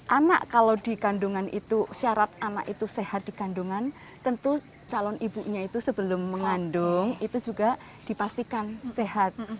anak kalau dikandungan itu syarat anak itu sehat dikandungan tentu calon ibunya itu sebelum mengandung itu juga dipastikan sehat